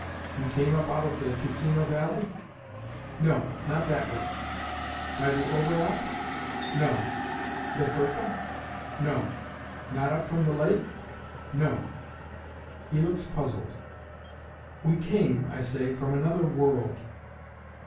"You came up out of the Ticino valley?" "No not that way." "By the Oberalp?" "No." "The Furka?" "No." "Not up from the lake?" "No." He looks puzzled. "We came," I say, "from another world."